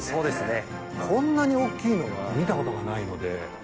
こんなに大っきいのは見たことがないので。